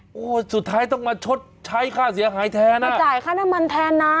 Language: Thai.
โอ้โหสุดท้ายต้องมาชดใช้ค่าเสียหายแทนนะมาจ่ายค่าน้ำมันแทนนะ